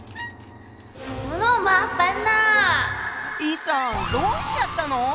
易さんどうしちゃったの？